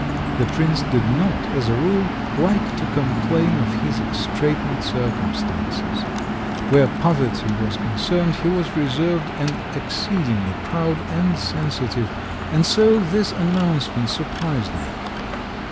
The prince did not, as a rule, like to complain of his straitened circumstances; where poverty was concerned he was reserved and exceedingly proud and sensitive, and so this announcement surprised me.